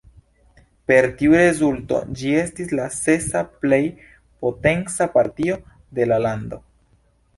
Per tiu rezulto ĝi estis la sesa plej potenca partio de la lando.